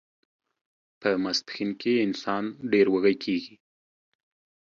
په ماسپښین کې انسان ډیر وږی کیږي